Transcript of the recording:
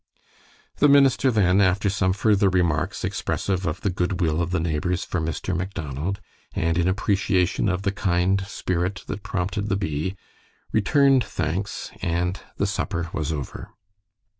The minister then, after some further remarks expressive of the good will of the neighbors for Mr. Macdonald, and in appreciation of the kind spirit that prompted the bee, returned thanks, and the supper was over.